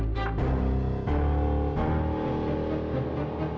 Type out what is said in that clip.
saya tidak kenal